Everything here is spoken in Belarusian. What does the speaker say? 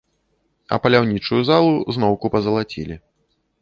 А паляўнічую залу зноўку пазалацілі.